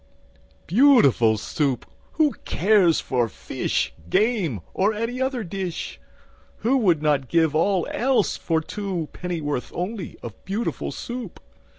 Beautiful Soup! Who cares for fish, Game, or any other dish? Who would not give all else for two Pennyworth only of Beautiful Soup?